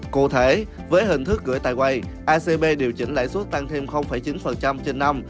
cụ thể với hình thức gửi tài quay acb điều chỉnh lãi suất tăng thêm chín trên năm